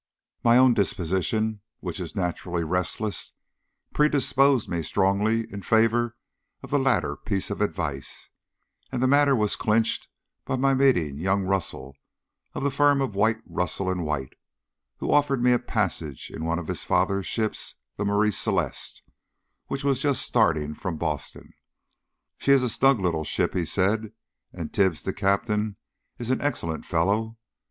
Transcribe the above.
My own disposition, which is naturally restless, predisposed me strongly in favour of the latter piece of advice, and the matter was clinched by my meeting young Russell, of the firm of White, Russell & White, who offered me a passage in one of his father's ships, the Marie Celeste, which was just starting from Boston. "She is a snug little ship," he said, "and Tibbs, the captain, is an excellent fellow.